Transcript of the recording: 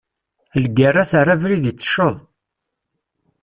Lgerra terra abrid itecceḍ.